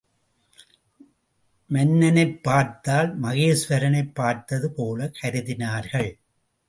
மன்னனைப் பார்த்தால் மகேஸ்வரனைப் பார்த்தது போலக் கருதினார்கள்.